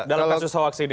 dalam kasus hoax ini